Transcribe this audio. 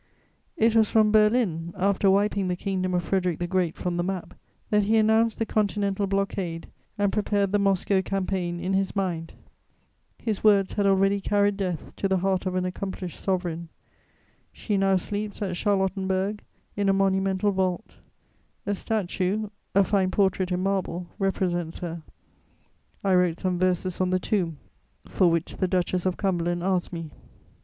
It was from Berlin, after wiping the kingdom of Frederic the Great from the map, that he announced the continental blockade and prepared the Moscow campaign in his mind; his words had already carried death to the heart of an accomplished sovereign: she now sleeps at Charlottenburg, in a monumental vault; a statue, a fine portrait in marble, represents her. I wrote some verses on the tomb for which the Duchess of Cumberland asked me.